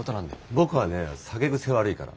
僕はね酒癖悪いから。